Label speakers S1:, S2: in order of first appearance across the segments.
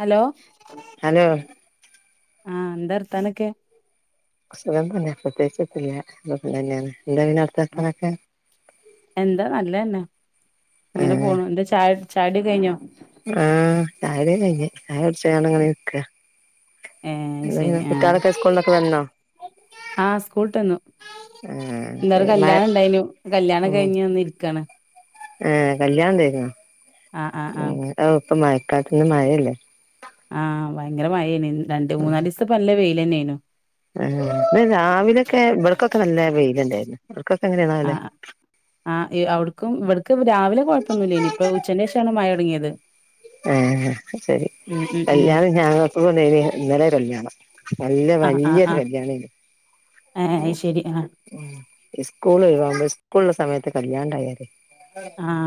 S1: Hello
S2: hello
S1: ആ എന്താ അർത്താനൊക്കെ
S2: സുഖം തന്ന പ്രത്യേകിച്ചില്ല അതൊപ്പ തന്നെയാണ് എന്താ പിന്നെ അവിടത്തെ വാർത്തനൊക്കെ
S1: എന്താ നല്ലതന്നെ അങ്ങനെ പോണു എന്താ ചായ ചായ്ടി കഴിഞ്ഞോ
S2: ആ തായനെ
S1: ഏ
S2: എന്താ പിന്നെ
S1: ശരി ആ
S2: കുട്ടികളൊക്കെ സ്കൂളിന്നൊക്കെ വന്നോ
S1: ആഹ സ്കൂളട്ടന്നു
S2: ആഹ്
S1: എന്താ
S2: ശരി മഴ
S1: കല്യാണം ഇണ്ടായിന് കല്യാണം കഴിഞ്ഞഞ് ഒന്ന് ഇരിക്കാണ്
S2: ഏ കല്യാണംണ്ടായിരുന്നു
S1: ആ ആ ആ
S2: പ്പൊ മയക്കാത്തന്ന് മഴല്ലേ
S1: ആ ഭയങ്കരമായേനി രണ്ട് മൂന്നാ ദിവസം ല്ല ലെന്നെയുന്
S2: ആ ഇ രാവിലക്കെ ഇവിടക്കൊക്കെ നല്ല വെയിലല്ലാരുന്നു
S1: ആ ആ അവിടുക്കും ഇവിട ഇപ്പ രാവിലെ കുഴപ്പൊന്നുമില്ല ഇനിപ്പപ്പോ ഉച്ചന്റെ ശേഷാണ് മഴടങ്ങിയത്
S2: ആ ശരി
S1: ഉം ഉം
S2: കല്യാണം ഞങ്ങക്ക ഇന്നല കല്യാണം നല്ല
S1: ആ ആ
S2: വലിയൊരു
S1: ആ
S2: കല്യാണല്
S1: ഏ അയ്ശരി ആ
S2: സ്കൂള് ഇ പ്പള്ള സമയത്ത് കല്യാണണ്ടായാലേ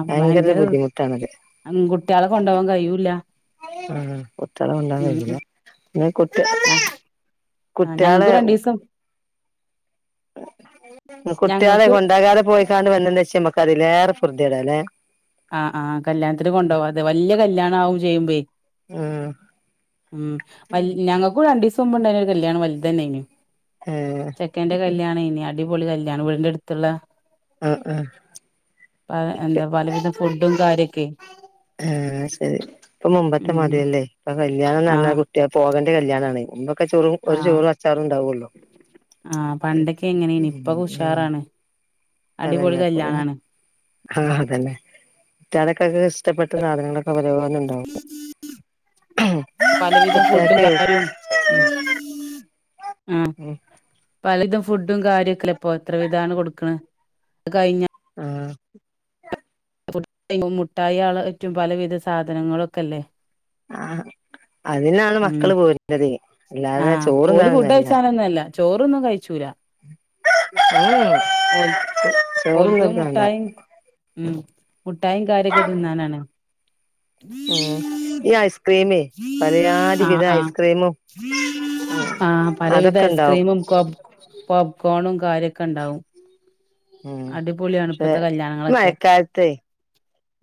S2: ഭയങ്കര ബുദ്ധിമുട്ടാണത്
S1: ഉം കുട്ട്യാളെ കൊണ്ടോവാൻ കഴിയൂല്ല
S2: ആ കുട്ട്യാളെ കൊണ്ടവാൻ
S1: ഉം
S2: കയ്യൂല
S1: ഉം
S2: അ കുട്ട
S1: ആ ആഹ് ഞങ്ങക്ക്
S2: കുട്ട്യാള്
S1: രണ്ടീസം
S2: കുട്ട്യാളെ
S1: ഞങ്ങക്ക്
S2: കൊണ്ടാകാതെ പോയിക്കാണ്ട് വന്നച്ച കതിലേറെ ഫൊർത്യേട ല്ലേ
S1: ആ ആ കല്യാണത്തിന് കൊണ്ടോവാതെ വല്യ കല്യാണാവും [unintelligible]
S2: ഉം
S1: ഉം വൽ ഞങ്ങക്കും രണ്ടീസ [unintelligible] കല്യാണം വല്തെന്നെ ന്
S2: ആഹ്
S1: ചെക്കേന്റെ കല്യാണേ നി അട് അടിപൊളി കല്യാണം വീടിന്റെ അടുത്ത്ള്ളെ
S2: ആഹ് ആഹ്
S1: പ എന്ത പലവിത [unintelligible]
S2: ആ ശരി ഇപ്പൊ മുമ്പത്തെ മാതിരി
S1: ഉം
S2: യല്ലേ ഇപ്പൊ കല്യാണംന്ന് പറഞ്ഞാൽ
S1: ആഹ്
S2: കുട്ട്യാക്ക് പോക [unintelligible] കല്യാണാണെ ക്കെ ചോറും ഒരു
S1: ആഹ്
S2: ചോറും അച്ചാറുംണ്ടാവല്ലോ
S1: ആഹ് പണ്ടൊക്കെ എങ്ങനേനി ഇപ്പൊക്കെ
S2: [unintelligible]
S1: ഉഷാറാണ് അടിപൊളി കല്യാണാണ്
S2: ആ അതെന്നെ [unintelligible] ഇഷ്ടപ്പെട്ട സാധനങ്ങളാ
S1: പലവിധം ഫുഡും
S2: കുട്ടികൾക്കെ
S1: കാര്യവും
S2: ഉം
S1: പലതും ഫുഡും കാര്യൊക്കല്ലെ പ്പൊ എത്ര വിധ കൊടുക്കണ് കഴിഞ്ഞ
S2: ആ
S1: മുട്ടായ്യാളായിറ്റും പലവിധ സാധനങ്ങളൊക്കെല്ലേ
S2: ആ അതിനാണ്
S1: ഉം
S2: മക്കള് പോര്ണത് അല്ലാതെ
S1: ആഹ് ഓല് ഫുഡ്
S2: ചോറ്ന്നാനൊന്നല്ല
S1: കഴിച്ചാനൊന്നുല്ല ചോറൊന്നും കഴിച്ചൂലാ
S2: ഉം
S1: ഓൽക്ക് ഓൽക്ക് മുട്ടായിം മ് മുട്ടായിം കാര്യൊക്കെ തിന്നാനാണ്
S2: ഉം ഈ ഐസ്ക്രീമെ പലയാധി
S1: ആഹ്
S2: വിധ
S1: ആഹ്
S2: ഐസ്ക്രീമും
S1: ആഹ് പലവിധ
S2: അതൊക്കെണ്ടാവും
S1: കാര്യക്കെണ്ടാവും
S2: ഉം ദേ
S1: ഇപ്പത്തെ കല്യാണങ്ങളൊക്കെ
S2: ഈമഴക്കാലത്തെ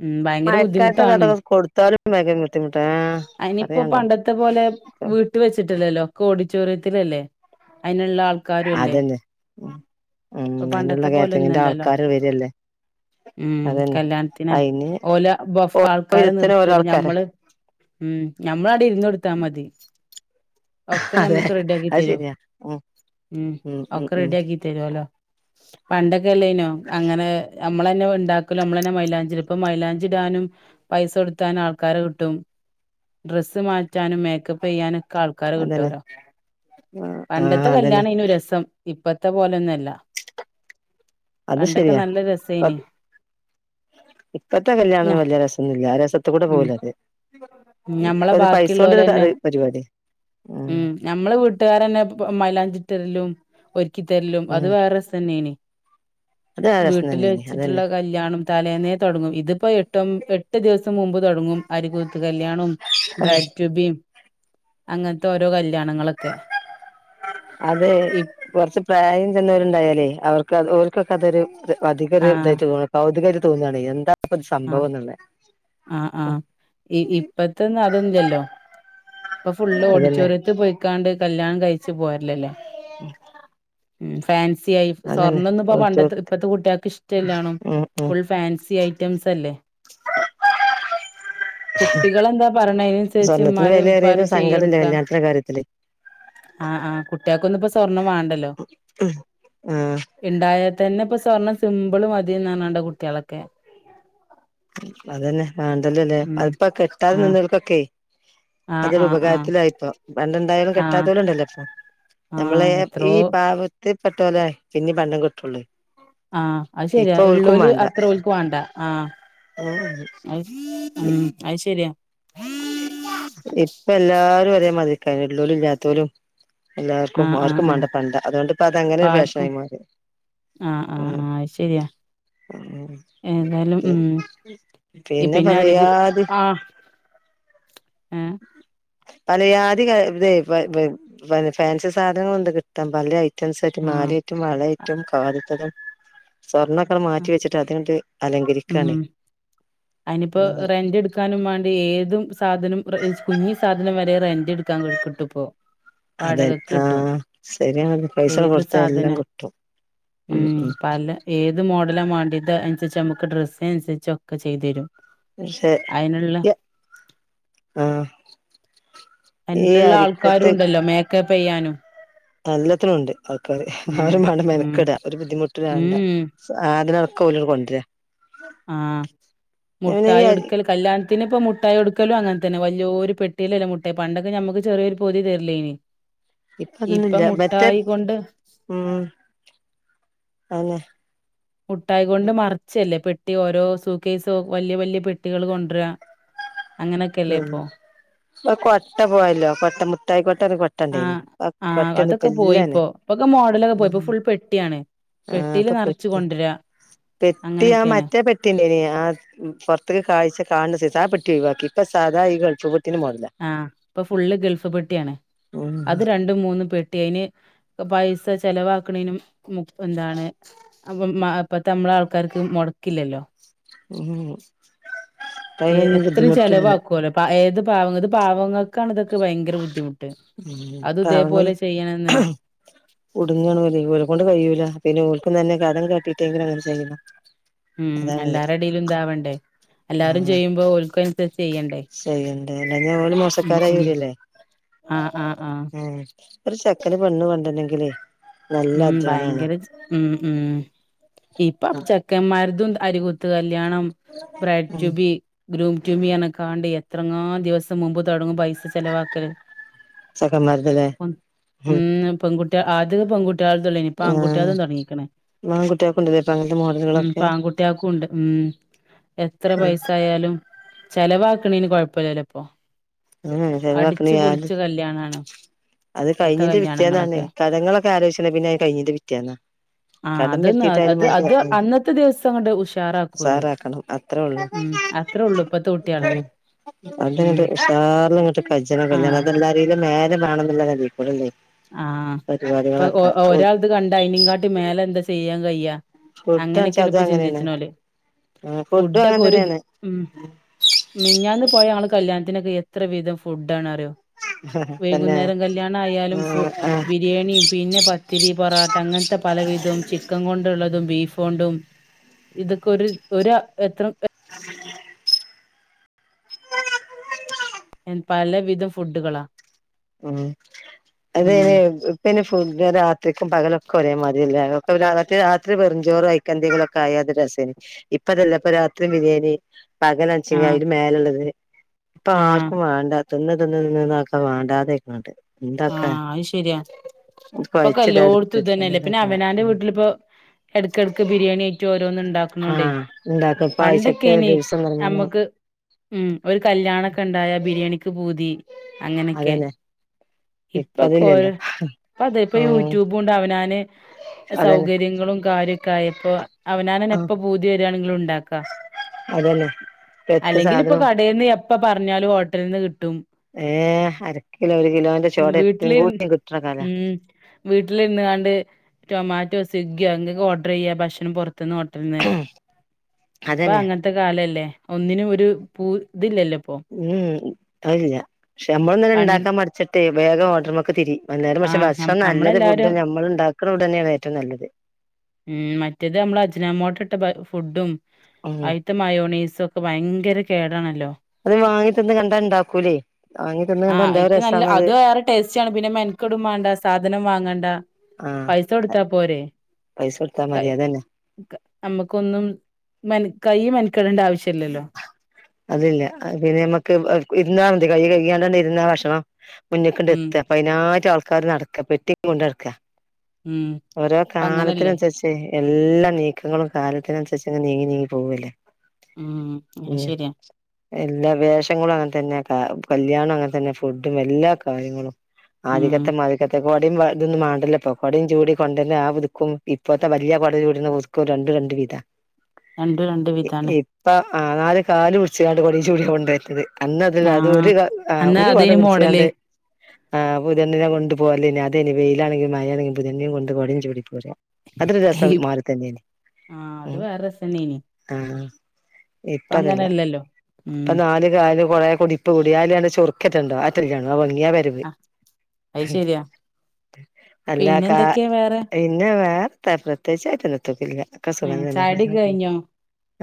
S1: ഉം ഭയങ്കര
S2: മഴക്കാലത്തൊക്കെ
S1: ബുദ്ധിമുട്ടാണ്
S2: അതൊക്കെ കൊടുത്താലും [unintelligible] ആഹ്
S1: അയിനിപ്പോ
S2: പറയാണ്ടോ
S1: പണ്ടത്തെ പോലെ വീട്ട് വെച്ചിട്ടില്ലല്ലോ ക്കൊടിറ്റൊറിയത്തിലല്ലേ അതിനുള്ള ആൾക്ക ക്കരുല്ലേ
S2: അതന്നെ ഉം
S1: ഇപ്പൊ
S2: അതിനുള്ള
S1: പണ്ടത്തെ പോലെ
S2: കാറ്ററിങ്ങിന്റെ
S1: ഒന്നുല്ലല്ലോ
S2: ആൾക്കാര് വരല്ലേ
S1: ഉം
S2: അതന്നെ
S1: കല്യാണത്തിന്
S2: അയിന്
S1: ഓല് ബോഫ ആൾക്കാരെ
S2: ഓരോരുത്തര് ഓരോ
S1: നിർത്തല്ലെ
S2: ആൾക്കാരാ
S1: ഞമ്മള് ഉം ഞമ്മള് അവിടെ ഇരുന്ന് കൊടുത്താ മതി. ഒക്കെ
S2: അതെ
S1: ഞമ്മുക്ക് റെഡി ആക്കി
S2: അത്
S1: തരും
S2: ശരിയാ ഉം
S1: ഉം
S2: ഉം
S1: ഒക്കെ
S2: ഉം
S1: റെഡി ആക്കി തരുവല്ലോ പണ്ടൊക്കെല്ലയിനോ അങ്ങനെ ഞമ്മള്ന്നെ പോയിണ്ടാക്കലും ഞമ്മള്ന്നെ മൈലാഞ്ചി ഇപ്പൊ മൈലാഞ്ചി ഇടാനും പൈസ കൊടുത്താനും ആൾക്കാരെ കിട്ടും ഡ്രെസ്സ് മാറ്റാനും മേക്കപ്പ് ചെയ്യാനൊ ആൾക്കാരെ
S2: അതന്നെ
S1: കിട്ടുലോ
S2: ആഹ്
S1: പണ്ടത്തെ
S2: അതന്നെ
S1: കല്യാണയിനു രസം ഇപ്പ ഇന്നത്തെ പോലൊന്നും അല്ല
S2: അത്
S1: പണ്ടൊക്കെ
S2: ശരിയാ
S1: നല്ല
S2: ഇപ്പ
S1: രസേയിന്
S2: ഇപ്പത്തെ കല്യാണൊന്നും വല്യ രസോന്നുല്ല ആ രസത്തി കൂടെ
S1: ഉം
S2: പോവുലത്
S1: ഞമ്മളെ
S2: ഇപ്പത് പൈസ കൊണ്ടൊരു
S1: ബാക്കിയുള്ളോലന്നെ
S2: പരിപാടിയാ.
S1: ഉം ഞമ്മള് വീട്ടുകാരന്നെ പ്പ മൈലാഞ്ചി റ്ററിലും ഒരു ക്കി തരലും അത്
S2: ഉം
S1: വേറെ രസന്നെ ആണെ
S2: അത് നല്ല രസം
S1: വീട്ടില്
S2: തന്നെയാണ്
S1: വെച്ചിട്ടുള്ള
S2: അതന്നെ
S1: കല്യാണം തലേന്നെ തൊടങ്ങും ഇ ഇതിപ്പോ എട്ടും എട്ട് ദിവസ ത്ത് മുമ്പ് തൊടങ്ങും അരികുതിർത്ത് കല്യാണോം ബ്രൈഡ് ട്യൂബിയും അങ്ങൻ ത്തോരൊ കൽ
S2: അതെ കൊറ്ച്ച് പ്രായം ചെന്നവരുണ്ടായാലേ അവർക്ക് അത് ഓല്കൊക്കെ അതൊരു ഇത് അധിക ഒര് ഇതായിട്ട് തോണ കൗതുകത് തോന്നാണെ എന്താപ്
S1: അഹ് ആഹ് ആഹ് ഇ ഇപ്പത്തെ അതൊന്നില്ലല്ലോ. ഇപ്പോ ഫുള്ള്
S2: അതന്നെ
S1: ഓഡിറ്റോറിയത്ത് പോയിക്കാണ്ട് കല്യാണം കഴിച് പോര്ലല്ലേ ഉം ഫേൻസ് ഈ ഐഫ്
S2: അതന്നെ
S1: സ്വർണാന്നും ഇപ്പം
S2: ഓര്ക്ക്
S1: പണ്ടത്തെ ഇപ്പത്തെ കുട്ട്യേക്ക് ഇഷ്ട്ടയില്ലാണും
S2: ഉം ഉം
S1: ഫുൾ ഫാൻസി ആയി മൻസ്സല്ലേ കുട്ടികളെന്താ പറെഞ്ഞ അയ്നൻസരിച്ച്
S2: സ്വർണ്ണത്തിന്
S1: ഇമ്മാരും
S2: വിലയേറിയത്
S1: ഇപ്പാരും
S2: സങ്കടല്ലേ
S1: ചെയ്തുകെടുക്ക
S2: കല്യാണത്തിന്റെ കാര്യത്തില്
S1: ആഹ് ആഹ് കുട്ട്യേ വന്നപ്പോ സാർ ഒന്നും മാണ്ടൊല്ലൊ
S2: ആഹ്
S1: ഇണ്ടായാൽ ഇതെനെ പ്പൊ സ്വർണം സിമ്പിള മതിന്നാണ് കുട്ടികളൊക്കെ
S2: അതന്നെ വേണ്ടല്ലല്ലേ
S1: ഉം
S2: അതിപ്പോ കെട്ടാതെ
S1: ആഹ്
S2: നിന്നവർക്കൊക്കെ
S1: ആഹ്
S2: അതൊരു
S1: ആഹ് ആഹ്
S2: ഉപകാരത്തിലായി ഇപ്പൊ പണ്ടെന്തായാലും
S1: ആഹ്
S2: കെട്ടാത്തവർ ഉണ്ടല്ലോ ഇപ്പൊ നമ്മളെ
S1: ആഹ്
S2: ഈ
S1: എത്രോ
S2: പാവ പെട്ടോല്ലെ പിന്നെ പണ്ടം കിട്ടൂ ളു
S1: ആ അത് ശരിയാ ഉള്ളല് അത്ര പോലക്ക് വേണ്ട ആ [unintelligible] ഉം അത് ശരിയ
S2: ഇപ്പൊ എല്ലാരും ഒരേ മതിരി ഒള്ളല്ലും ഇല്ലാത്തല്ലും എല്ലാവർക്കും
S1: ആഹ് ആഹ്
S2: ആർക്കും വേണ്ട
S1: ആഹ്
S2: പണ്ട അതുകൊണ്ട് ഇപ്പ അത അങ്ങനെ ഒരു ഫാഷനായിമാറി
S1: ആഹ് ആഹ്
S2: ഉം
S1: ആഹ് അത് ശരിയാ
S2: ഉം
S1: ഏതായാലും
S2: ഉ
S1: ഉം
S2: പിന്നെ പറയാത്
S1: ഏ
S2: പലയാധി ഇതെ ഇതെ ബെ ബെ ഫാൻസി സാധനങ്ങളൊണ്ട് കിട്ടാൻ പല പല സെറ്റ്
S1: ആഹ്
S2: മാലയിട്ടും വളയിട്ടും കാതിത്തരം സ്വർണക്കെ മാറ്റിവെച്ചിട്ട് അതിട്ട് അല് വിരിക്കാണ്
S1: അതിനിപ്പോ റെന്റ് എടുക്കാനും വേണ്ടി ഏതും സാധനം കുഞ്ഞി സാധനം വരെ റെന്റ് എടുക്കാൻ കിട്ടും
S2: അതെ
S1: വാടകക്ക്
S2: ആ
S1: കിട്ടും
S2: ശരിയ പൈസ
S1: ഏത്
S2: കൊടുത്ത
S1: സാധന
S2: എല്ലാം കിട്ടും ഉം ഉം
S1: ഇത് അനുസരിച്ചോ നമ്മുക്ക് ഡ്രസ്സ് അനുസരിച്ചോ ഒക്കേ ചെയ്തരും
S2: പക്ഷെ യ ആ
S1: അയ്ന്നുള്ള ആൾക്കാരും ഉണ്ടല്ലോ മേക്കപ്പ് ചെയ്യാനും
S2: എല്ലാത്തിനും ഉണ്ട്
S1: ഉം
S2: ആരും കണ്ടു
S1: ഉം
S2: മെനക്കെടാ ഒരു ബുദ്ധിമുട്ട് വേണ്ട
S1: ഉം
S2: [unintelligible] [unintelligible] കൊണ്ടരാ
S1: ആഹ്
S2: പിന്നെ ഈ
S1: മുഠായി
S2: അരി
S1: ഒടുക്കല്. കല്യാണത്തിനിപ്പൊ മുഠായൊടുക്കല് അങ്ങനെതന്നെ. വൽ [unintelligible] ഒരു പെട്ടിലല്ലേ മുട്ടായി പണ്ടൊക്കെ ഞമ്മുക്ക് ചെറിയൊരു പൊതി തരില്ലേനീ
S2: ഇപ്പ അതൊന്നില്ല മറ്റേപ് ഉം അങ്ങ
S1: മുഠായികൊണ്ട് മറച്ചല്ലേ പെട്ടി ഓരോ സൂക്കേസോ വല്യ വല്യ പെട്ടികള് കൊണ്ടരാ
S2: ഒരു കൊട്ട പോയലോ കൊട്ട മുഠായി കൊട്ട്
S1: ആഹ് ആഹ് അതൊക്കെ
S2: ഇല്ലന്നെ
S1: പോയിപ്പോ ഇപ്പൊക്കെ മോഡലൊക്കെ പോയിപ്പോ
S2: ഉം
S1: ഫുൾ പെട്ടിയാണ്.
S2: ആഹ്
S1: പെട്ടിയില്
S2: അപ്പൊ
S1: നിറച്ച്
S2: പെട്ടി.
S1: കൊണ്ടുവരാ
S2: പെട്ടിയാ
S1: അങ്ങനെയൊക്കെയാണ്
S2: മറ്റേ പെട്ടി [unintelligible] ആ ഇം പൊറത്തേക്ക് കാഴ്ച കാൺണ സെയിസ് ആ പെട്ടി ഒഴിവാക്കി ഇപ്പൊ സാദാ ഈ ഗൾഫ് പെട്ട്
S1: ആഹ് ഇപ്പൊ ഫുള്ള് ഗൾഫ് പെട്ടിയാണ്
S2: ഉം
S1: അത് രണ്ട് മൂന്ന് പെട്ട് കുട്ടിയ്ന് പൈസ ചെലവാക്കണേനും ഉം എന്താണ് [unintelligible] ആ ഇപ്പത്ത നമ്മള ആൾക്കാർക്ക് മൊടക്കില്ലല്ലോ.
S2: ഊ ഹു ഹും
S1: ഏ എത്രയും ചെലവാക്കുവല്ലോ പാ ഏതും പാവങ്ങ ഇത് പാവങ്ങക്കാണിതക്ക ഭയങ്കര ബുദ്ധിമുട്ട്
S2: ഊ
S1: അതും
S2: പാവങ്ങള്
S1: ഇതേപോലെ ചെയ്യണന്ന്
S2: ഉടുഞ്ഞണ പോല ഇവരേ കൊണ്ട് കഴിയൂല പിന്നെ ഓൽക്കും തന്നെ കട് കാട്ടിട്ടെങ്കിലും അങ്ങനെ ചെയ്യണം.
S1: മ്
S2: അതാണത്
S1: എല്ലാരുടെയും ഇടയിൽ ഇതാവണ്ടേ എല്ലാരും
S2: ആഹ്
S1: ചേരുമ്പോൾ ഓൾക്ക് -
S2: ചെയ്യണ്ടേ അല്ലഞ്ഞാ ഓല്
S1: ഉം
S2: മോശക്കാരായി
S1: ഉം
S2: വരെല്ലേ...
S1: ആഹ് ആഹ് ആഹ്
S2: ഏഹ് ഒരു ചെക്കന് പെണ്ണ് കൊണ്ടര് നെങ്കിലേ
S1: ഉം ഭയങ്കര ച് ഉ ഊം ഈപ്പം ചെക്കൻമാർ ഇതും അരി കൊതുകല്ല് [unintelligible] [unintelligible]
S2: ഉം
S1: [unintelligible] എത്ര എങ്ങാണ്ട് ദിവസം മുൻപ് തുടങ്ങും പൈസ - ചെലവാക്ക്
S2: ചെക്കന്മാര്തല്ലേ ഉം
S1: [unintelligible] അത് പെൺകുട്ടികൾ - [unintelligible] ഇപ്പൊ
S2: ആഹ്
S1: ആൺകുട്ടികളും
S2: ആൺകുട്ട്യാക്കുണ്ടല്ലേ ഇപ്പ അങ്ങനത്തെ മോഡലുകളൊക്കെ ഉം
S1: തുടങിയ്ക്കുന്നു ചെലവാക്കുന്നതിനു കുഴപ്പമില്ലല്ലോ ഇപ്പൊ
S2: [unintelligible]
S1: അടിച്ചു
S2: ഡെലിവറി
S1: പൊളിച്ച കല്യാണാണ് ഇപ്പത്തെ
S2: കഴിഞ്ഞ്ട്ടു പിറ്റേന്ന്
S1: കല്യാണങ്ങളൊക്കെ
S2: ആ
S1: ആഹ്
S2: കടം
S1: അതൊന്ന് അത് അത്
S2: കിട്ടിട്ടാണെങ്കിലും
S1: അന്നത്തെ ദിവസം അങ്ങട്ട് ഉഷാറാക്കൂല്
S2: സാറ് ആക്കണം അത്രയുളളു [unintelligible]
S1: ഉം അത്രേ ഉള്ളൂ ഇപ്പത്തെ കുട്ടികള് ഉം
S2: ഉസാറ്ല് ങ്ങട്ട് കഴ്ച്ചെണം കല്യാണം
S1: ആഹ്
S2: അതെല്ലാരീലും മേലെ വേണംന്ന്ല്ല നെലിം ഓളെന്തേയ്
S1: ആഹ് ഇപ്പൊ ഒ ഒരാൾത് കണ്ടായിനികാട്ടി മേലെ എന്താ ചെയ്യാൻ കയ്യാ.
S2: ഫുഡ്ഡാണ്ച്ചാ
S1: അങ്ങനെയൊക്കെയാണ്
S2: അതും
S1: ഇപ്പൊ
S2: അങ്ങനേണ്
S1: ചിന്തിച്ച്ണോല്
S2: ആഹ് ഫുഡ്ഡും അങ്ങൻ
S1: ഫുഡൊക്കെ ഒരു ദി
S2: തന്നേണ്
S1: മിഞ്ഞാന്ന് പോയ ആള് കല്യാ ഇതിനൊക്കെ എത്ര വീതം ഫുഡ് ഡാണറിയോ
S2: തന്നെ
S1: വൈകുന്നേരം കല്യാണ ആയാലും
S2: ആഹ് ആഹ്
S1: ബിരിയാണീം പിന്നെ പത്തിരി പൊറോട്ട അങ്ങനെ ത്ത പലവിധം ചിക്കൻ കൊണ്ടുള്ളതും ബീഫോണ്ടും ഇതൊക്കെ ഒരു ഒരു എത്ര എൻ പല വിധം ഫുഡുകളാ
S2: ഉം
S1: ഉം
S2: അതേന് ഇപ്പൊന് ഫുഡ് രാത്രിക്കും പകലൊക്കെ ഒരേ മാതി അതില്ല രാത്രി രാത്രി വെറുംചോറും അതിക്കെന്തേലും ആയാ അത് രസേനി ഇപ്പ അതല്ല ഇപ്പൊ രാത്രി ബിരിയാണി പകലാച്ചെങ്കി
S1: ആഹ്
S2: അതിനു മേലെള്ളത് ഇപ്പ
S1: ആഹ്
S2: ആർക്കും വേണ്ടാ തിന്ന് തിന്ന് തിന്ന് തിന്നാർക്കും വേണ്ടാ തെയ്ക്കണ്ട്
S1: ആ അയ്ശരിയാ ഇപ്പൊക്കെ
S2: കൊഴച്ചിടാ
S1: എല്ലോട് ത്തും ഇതെന്നെല്ലേ പിന്നെ
S2: എടുത്തക്കന്നല്ലാതെ
S1: അവനാന്റെ
S2: ഉം
S1: വീട്ടിലിപ്പോ എടക്കടക്ക് ബിരിയാണി ആയിട്ടും ഓ ഓരോന്ന് ഇണ്ടാക്ക്‌ണോണ്ട്
S2: ആഹ് ഇണ്ടാക്ക ഇപ്പ ആഴ്ചക്ക്
S1: പണ്ടൊക്കെയേനി
S2: ദിവസം നിർമ്മണം
S1: നമ്മക്ക് ഉം ഒരു കല്യാണൊക്കെ ഉണ്ടായ ബിരിയാണി ക്ക് പൂതി അങ്ങനെക്കെ
S2: അതന്നെ ഇപ്പ
S1: ഇപ്പൊക്കെ
S2: അതില്ലല്ലോ
S1: ഓര് ഇപ്പ അത ഇപ്പൊ
S2: ഉം
S1: യൂട്യൂബ്ണ്ട് അവനാന്
S2: അതന്നെ
S1: സൗകര്യങ്ങളും കാര്യൊക്കെ ആയപ്പൊ അവനാനെന്നെ
S2: ആഹ്
S1: എപ്പ പൂതി വരിയാണെങ്കിലും ഉണ്ടാക്ക
S2: അതന്നെ എത്ത്
S1: അല്ലെങ്കിൽ ഇപ്പൊ
S2: സാധനം
S1: കടേന്ന് എപ്പോ പറഞ്ഞാലും ഹോട്ടലിൽ നിന്ന് കിട്ട
S2: ഏ അരക്കിലോ ഒരു കിലോന്റെ ചി
S1: ഉം
S2: ചോടെ എത്തി കൂടിം കിട്ടണ കാല
S1: വീട്ടിലിരുന്നാണ്ട് ടൊമാറ്റോ സ്വിഗ്ഗിയോ എന്തിക്കെ ഓർഡർ ചെയ്യ ഭക്ഷണം പൊറത്ത് ത്ത്ന്ന് ഹോട്ടൽന്ന് ഇപ്പൊ
S2: അതന്നെ
S1: അങ്ങത്തെ കാലല്ലേ ഒന്നിനും ഒരു പൂ ഇതില്ലല്ലോ പ്പൊ
S2: ഉം ഉം അതില്ല പക്ഷെ നമ്മളെന്നെ
S1: പൺ
S2: ണ്ടാക്കാ മടിച്ചിട്ട് വേഗം ഓർഡർമക്ക്‌ ക്ക്‌ തിരി അന്നേരം പക്ഷെ
S1: ആഹ് ഞം
S2: ഭക്ഷണം നല്ലത്
S1: നമ്മളെല്ലാരും
S2: ഫുഡ് ഞമ്മള് ഉണ്ടാക്കുന്ന ഫുഡ്ന്നെയാണ് ഏറ്റവും നല്ലത്
S1: മ് മറ്റേതമ്മള് അജിനാമൊട്ട ഇട്ട ബ ഫുഡും
S2: ഉം
S1: അയിത്ത മയോണീസുക്കെ ബയങ്കര കേടാണല്ലോ
S2: അത് വാങ്ങി തിന്ന് കണ്ടാ ഇണ്ടാക്കൂലേ വാങ്ങി തിന്ന്
S1: ആ
S2: കണ്ടാ എന്താ
S1: ഇത് നല്ല
S2: രസാണത്
S1: അത് വേറെ ടേസ്റ്റാണ് പിന്നെ മെൻകെടും മാണ്ട സാധനം വാങ്ങണ്ട
S2: ആഹ്
S1: പൈസൊടുത്താ പോരെ
S2: പൈസ കൊടുത്താ മതി അതന്നെ
S1: [unintelligible] നമ്മക്കൊന്നും മെ കൈയും മെനക്കെടേണ്ട ആവശ്യല്ലല്ലോ
S2: അതില്ല പിന്നെ മ്മക്ക് ഇരുന്നാ മതി കൈ കഴ് ക്യാണ്ട് ഇരുന്ന ഭക്ഷണം മുന്നേക്കിണ്ട്
S1: ഉം
S2: എത്ത്അ പ്പ അയ്നാട്ട് ആൾ ർ നടക്ക പെട്ടി കൊണ്ട് നടക്ക
S1: ഉം
S2: ഓരോ
S1: ഇപ്പ അങ്ങനല്ലേ
S2: കാലത്തിനുസരിച്ച എല്ലാ നീക്കങ്ങളും കാലത്തിനനുസരിച്ച് അങ്ങ് നീങ്ങി നീങ്ങി പോകുനിലെ
S1: ഉം ആ ശരിയാ
S2: എല്ലാ വേഷങ്ങളും അങ്ങനെതന്നെ കല്യാണം അങ്ങനെ തന്നെ ഫുഡും എല്ലാ കാര്യങ്ങളും
S1: ഉം
S2: ആധികത്തെ മാധികത്തെ കൊടേം വ ഇതൊന്നും മേണ്ടല്ലോ ഇപ്പോ കൊടെം ചൂടി കണ്ടല്ലേ ആ പുതുക്കും ഇപ്പഴത്തെ വല്യ കൊട ചൂടിന്ന് പൂത്തിക് രണ്ടു രണ്ടു വീതാ
S1: രണ്ടു രണ്ടു വിധാണ്
S2: ആ നാല് കാല് പുടിച്ച ണ്ട് കൊടെം ചൂടി കൊണ്ട് വരുന്നത് അന്ന അതല്ല അത്
S1: ആഹ്
S2: ഒരു ആ
S1: അന്നാ
S2: ഒരു കൊട
S1: അതേനി
S2: പിടിച്ചാണ്ട്
S1: മോഡല്
S2: ആ പുതെന്തിനകൊണ്ട് പോവല് നിഅതേനി വെയിലാണെങ്കിം മയയാണെങ്കിം പുതെനെംകൊണ്ട് കൊടേംചൂടി പോര അത് ഒരു രസം
S1: ആഹ്
S2: മാതിരി അരുണ്
S1: അത് വേറെ രസന്നേനി ഇപ്പ
S2: ഇപ്പതല്ല
S1: അങ്ങനല്ലല്ലോ ഉം
S2: പ്പ നാല് കാലും കുറെ കുടിപ്പ് കൂടി [unintelligible] [unintelligible] വരവ്
S1: ആ അത് ശരിയാ
S2: അല്ല
S1: പിന്നെ എന്തൊക്കെയാ
S2: വേറെ എന്താ പ്രത്യേകിച്ച് [unintelligible]
S1: ചായ കുടി കഴിഞ്ഞോ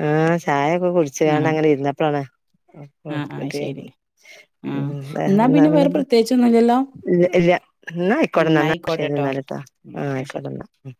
S2: ആ ചായ ഒകെ [unintelligible] കുടിച്ചാണ്
S1: ആഹ്
S2: അങ്ങനെ ഇരുന്നപ്പ്ളാണ്
S1: ആഹ് ആഹ്
S2: മറ്റേ
S1: ശരി ആഹ് എന്നാ
S2: വേറെന്നാ
S1: പിന്നെ വേറെ
S2: പിന്നന്ന
S1: പ്രത്യേകിച്ചൊന്നുംല്ലല്ലോ
S2: ല്ല
S1: ഉം
S2: ന്നായ്ക്കോട്ടന്നാ ന്നാ ശരി
S1: ആയിക്കോട്ടെട്ടോ
S2: എന്നാലട്ടാ
S1: ഉം
S2: ആ
S1: ശരി
S2: ആയ്ക്കോട്ടന്നാ ഉം